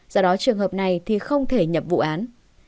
do đó trường hợp này thì không thể nhập vụ án